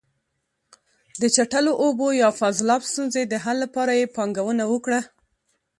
د چټلو اوبو یا فاضلاب ستونزې د حل لپاره یې پانګونه وکړه.